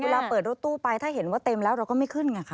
เวลาเปิดรถตู้ไปถ้าเห็นว่าเต็มแล้วเราก็ไม่ขึ้นไงคะ